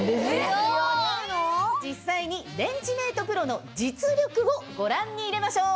実際にレンジメートプロの実力をご覧に入れましょう！